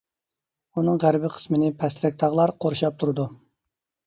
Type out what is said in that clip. ئۇنىڭ غەربى قىسمىنى پەسرەك تاغلار قورشاپ تۇرىدۇ.